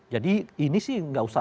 jadi ini sih nggak usah